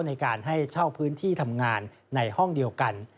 ในการให้เช่าพื้นที่ทำงานในห้องเดียวกัน